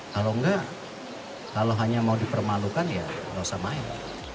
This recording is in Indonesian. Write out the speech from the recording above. kalau enggak kalau hanya mau dipermalukan ya nggak usah main